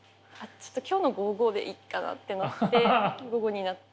ちょっと今日の午後でいっかなってなって午後になって。